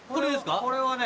これはね。